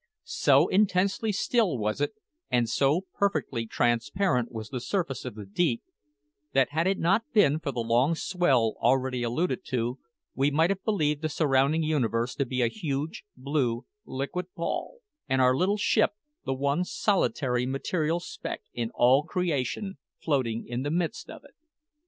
So intensely still was it, and so perfectly transparent was the surface of the deep, that had it not been for the long swell already alluded to, we might have believed the surrounding universe to be a huge, blue, liquid ball, and our little ship the one solitary material speck in all creation floating in the midst of it.